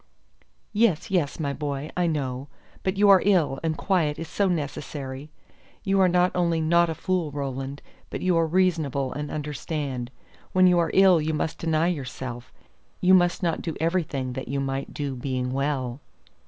"Yes, yes, my boy, I know. But you are ill, and quiet is so necessary. You are not only not a fool, Roland, but you are reasonable and understand. When you are ill you must deny yourself; you must not do everything that you might do being well."